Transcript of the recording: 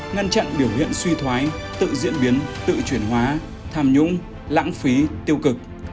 ngăn chặn biểu hiện suy thoái tự diễn biến tự chuyển hóa tham nhũng lãng phí tiêu cực